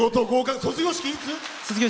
卒業式いつ？